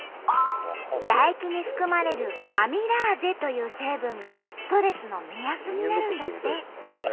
唾液に含まれるアミラーゼという成分がストレスの目安になるんだって。